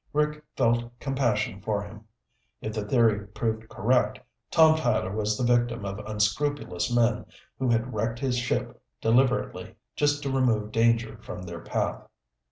Rick felt compassion for him. If the theory proved correct, Tom Tyler was the victim of unscrupulous men who had wrecked his ship deliberately, just to remove danger from their path.